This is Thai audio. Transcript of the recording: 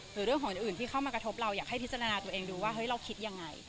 หรือเรื่องของอื่นที่เข้ามากระทบเราอยากให้พิจารณาตัวเองดูว่าเฮ้ยเราคิดยังไง